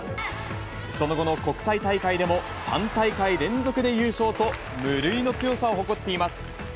その後の国際大会でも３大会連続で優勝と、無類の強さを誇っています。